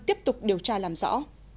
tiếp tục điều tra làm rõ